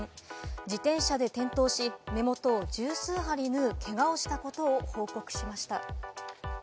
自転車で転倒し、目元を十数針縫うけがをしたことを報告しました。